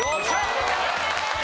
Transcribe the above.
正解です。